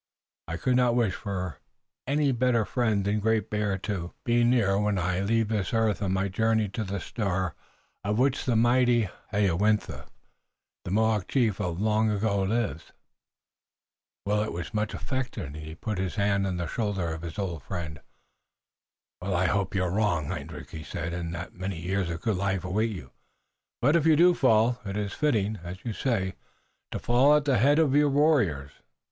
I could not wish for any better friend than Great Bear to be near when I leave this earth on my journey to the star on which the mighty Hayowentha, the Mohawk chief of long ago, lives." Willet was much affected, and he put his hand on the shoulder of his old friend. "I hope you are wrong, Hendrik," he said, "and that many years of good life await you, but if you do fall it is fitting, as you say, to fall at the head of your warriors."